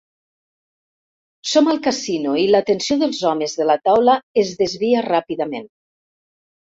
Som al casino i l'atenció dels homes de la taula es desvia ràpidament.